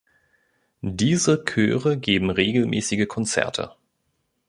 Diese Chöre geben regelmäßige Konzerte.